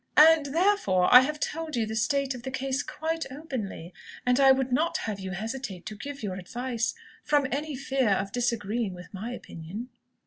"And therefore I have told you the state of the case quite openly. And I would not have you hesitate to give your advice, from any fear of disagreeing with my opinion."